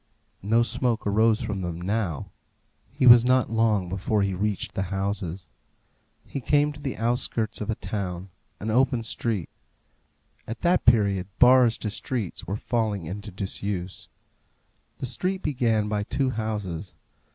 No smoke arose from them now. He was not long before he reached the houses. He came to the outskirts of a town an open street. At that period bars to streets were falling into disuse. The street began by two houses.